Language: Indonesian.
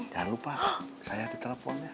jangan lupa saya di telepon ya